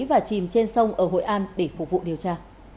và chìm trên sông ở hội an để phục vụ điều tra